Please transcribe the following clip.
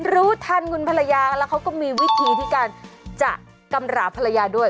รู้ทันคุณภรรยาแล้วเขาก็มีวิธีที่การจะกำราบภรรยาด้วย